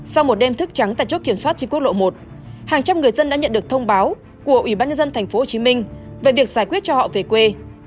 sau một đêm thức trắng tại chốt kiểm soát trên quốc lộ một hàng trăm người dân đã nhận được thông báo của ủy ban nhân dân tp hcm về việc giải quyết cho họ về quê